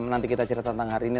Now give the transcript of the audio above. nanti kita cerita tentang hari ini